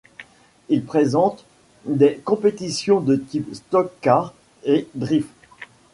Il présente des compétitions de type stock-car et drift.